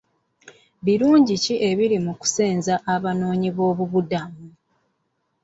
Birungi ki ebiri mu kusenza abanoonyiboobubudamu?